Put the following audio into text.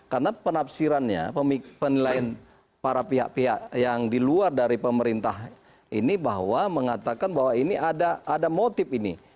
karena penafsirannya penilaian para pihak pihak yang di luar dari pemerintah ini bahwa mengatakan bahwa ini ada motif ini